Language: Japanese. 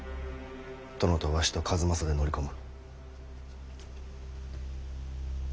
殿とわしと数正で乗り込む。